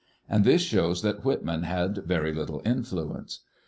And this shows that Whitman had very little influence.